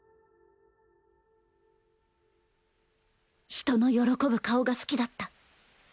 人の喜ぶ顔が好きだった。